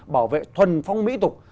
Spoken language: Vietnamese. bảo vệ thuần phong mỹ tục